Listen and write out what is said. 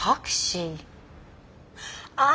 あ。